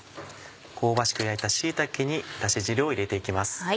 香ばしく焼いた椎茸にだし汁を入れて行きます。